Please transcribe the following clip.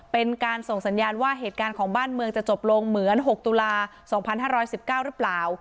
เป็นการส่งสัญญาณว่าเหตุการณ์ของบ้านเมืองจะจบลงเหมือน๖ตุลา๒๕๑๙หรือเปล่า